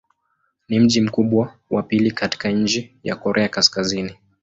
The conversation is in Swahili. Ni mji mkubwa wa pili katika nchi wa Korea Kaskazini.